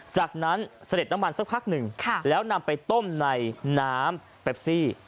จากนั้นเสด็จน้ำมันสักพักหนึ่งแล้วนำไปต้มในน้ำแปปซี่